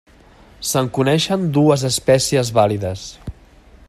Se'n coneixen dues espècies vàlides.